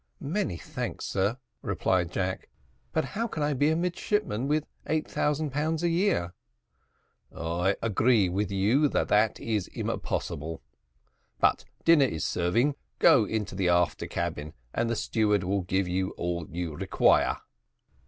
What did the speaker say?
"Many thanks, sir," replied Jack; "but how can I be a midshipman with eight thousand pounds a year?" "I agree with you that it is impossible: but dinner is serving; go into the after cabin and the steward will give you all you require."